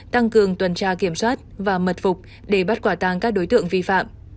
tăng cường tuần tra kiểm soát và mật phục để bắt quả tăng các đối tượng vi phạm